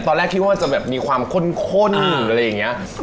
ตอนแรกคิดว่าจะแบบมีความข้นอะไรอย่างนี้